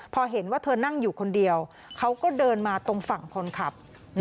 พอเห็นว่าเธอนั่งอยู่คนเดียวเขาก็เดินมาตรงฝั่งคนขับ